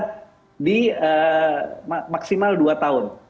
di maksimal dua tahun